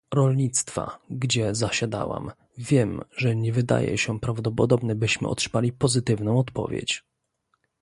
Rolnictwa, gdzie zasiadałam, wiem, że nie wydaje się prawdopodobne byśmy otrzymali pozytywną odpowiedź